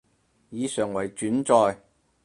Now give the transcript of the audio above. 以上為轉載